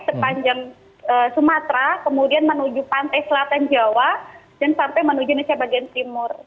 sepanjang sumatera kemudian menuju pantai selatan jawa dan sampai menuju indonesia bagian timur